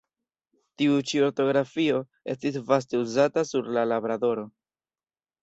Tiu ĉi ortografio estis vaste uzata sur Labradoro.